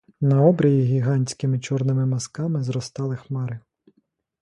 На обрії гігантськими чорними мазками зростали хмари.